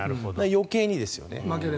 余計にですよね。